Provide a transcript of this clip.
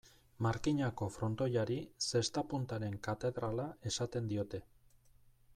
Markinako frontoiari, zesta-puntaren katedrala esaten diote.